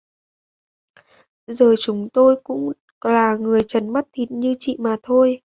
giờ chúng tôi cũng là người trần mắt thịt như chị mà thôi